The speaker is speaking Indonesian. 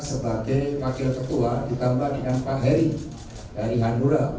sebagai wakil ketua ditambah dengan pak heri dari hanura